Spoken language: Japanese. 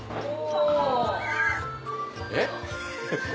えっ？